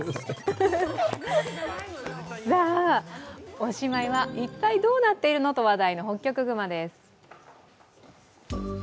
おしまいは一体どうなっているの？と話題のホッキョクグマです。